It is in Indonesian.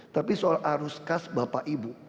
tapi soal arus kas bapak ibu